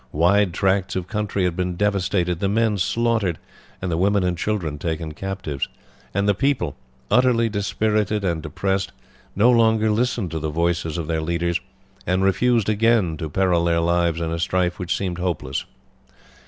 Wide tracts of country had been devastated, the men slaughtered, and the women and children taken captives, and the people, utterly dispirited and depressed, no longer listened to the voices of their leaders, and refused again to peril their lives in a strife which seemed hopeless.